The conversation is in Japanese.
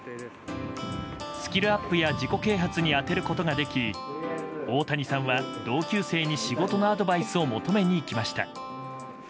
スキルアップや自己啓発に充てることができ大谷さんは同級生に仕事のアドバイスを求めに行きました。